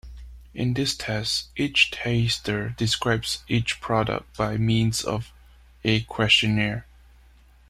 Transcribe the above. In this test, each taster describes each product by means of a questionnaire.